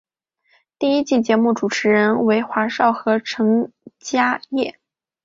第一季节目主持人为华少和陈嘉桦。